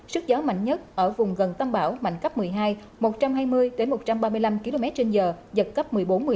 sức gió mạnh nhất ở vùng gần tâm bão mạnh cấp một mươi hai một trăm hai mươi một trăm ba mươi năm km trên giờ giật cấp một mươi bốn một mươi